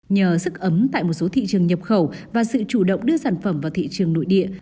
nhờ sức ấm tại một số thị trường nhập khẩu và sự chủ động đưa sản phẩm vào thị trường nội địa